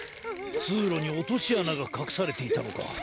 つうろにおとしあながかくされていたのか。